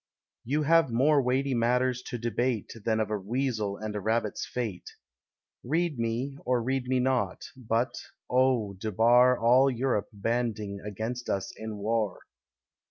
You have more weighty matters to debate Than of a Weasel and a Rabbit's fate. Read me, or read me not; but, oh, debar All Europe banding against us in war.